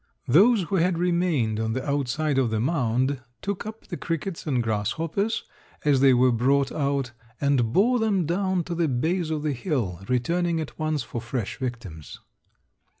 Those who had remained on the outside of the mound, took up the crickets and grasshoppers as they were brought out and bore them down to the base of the hill, returning at once for fresh victims.